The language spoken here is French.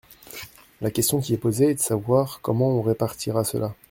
La question qui est posée est de savoir comment on répartira cela.